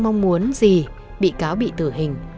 mong muốn gì bị cáo bị tử hình